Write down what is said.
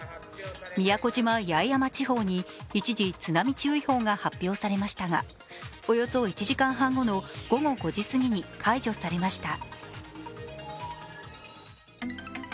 宮古島・八重山地方に一時、津波注意報が発表されましたがおよそ１時間半後の午後５時すぎに解除されました。